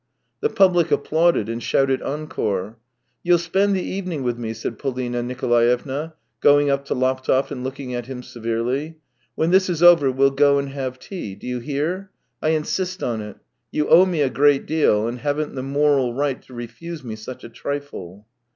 The public applauded and shouted encore. " You'll spend the evening with me," said 232 THE TALES OF TCHEHOV Polina Nikolaevna, going up to Laptev and look ing at him severely. " When this is over we'll go and have tea. Do you hear ? I insist on it. You owe me a great deal, and haven't the moral right to refuse me such a trifle.